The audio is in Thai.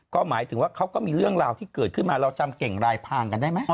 ก็หมายถึงว่าเขาก็มีเรื่องราวที่เกิดขึ้นมาเราจำเก่งรายพางกันได้ไหม